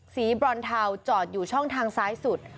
บรอนเทาจอดอยู่ช่องทางซ้ายสุด